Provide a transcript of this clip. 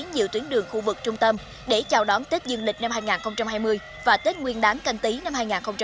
nhiều tuyến đường khu vực trung tâm để chào đón tết dương lịch năm hai nghìn hai mươi và tết nguyên đáng canh tí năm hai nghìn hai mươi